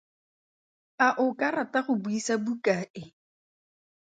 A o ka rata go buisa buka e?